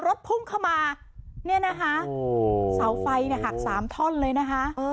รถพุ่งเข้ามาเนี่ยนะคะเสาไฟเนี่ยหักสามท่อนเลยนะคะ